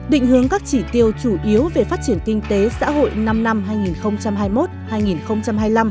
định hướng các chỉ tiêu chủ yếu về phát triển kinh tế xã hội năm năm hai nghìn hai mươi một hai nghìn hai mươi năm